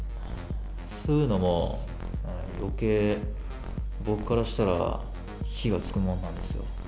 そういうのもよけい、僕からしたら火がつくものなんですよ。